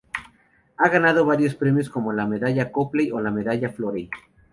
Ha ganado varios premios como la Medalla Copley o la Medalla Florey